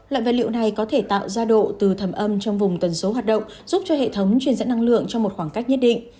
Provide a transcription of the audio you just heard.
loại vật liệu này có thể tạo ra độ từ thẩm âm trong vùng tần số hoạt động giúp cho hệ thống truyền dẫn năng lượng trong một khoảng cách nhất định